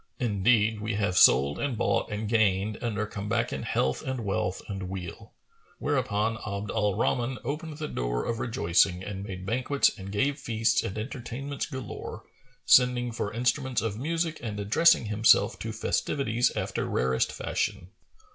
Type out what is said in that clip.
Indeed we have sold and bought and gained and are come back in health, wealth and weal." Whereupon Abd al Rahman opened the door[FN#438] of rejoicing and made banquets and gave feasts and entertainments galore, sending for instruments of music and addressing himself to festivities after rarest fashion.